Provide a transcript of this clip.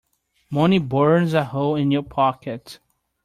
Money burns a hole in your pocket.